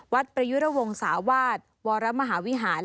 วัดประยุรวงศ์สาวาสวรมหาวิหาร